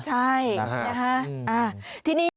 ใช่นะคะ